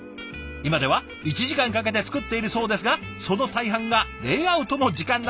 今では１時間かけて作っているそうですがその大半がレイアウトの時間なんですって。